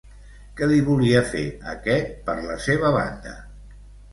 Què li volia fer, aquest, per la seva banda?